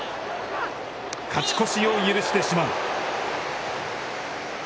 勝ち越しを許してしまう。